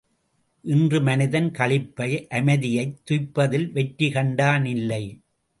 இன்று மனிதன் களிப்பை அமைதியைத் துய்ப்பதில் வெற்றி கண்டானில்லை.